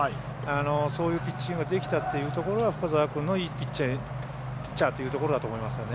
そういうピッチングができたというところが深沢君がいいピッチャーだということだと思いますよね。